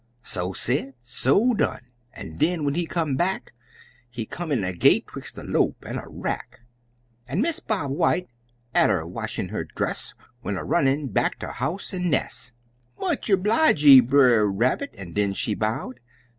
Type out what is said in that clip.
So said, so done! An' den when he come back, He come in a gait 'twix' a lope an' a rack. An' Miss Bob White, atter washin' her dress, Went a runnin' back ter house an' nes'; "Much erbleege, Brer Rabbit," an' den she bowed.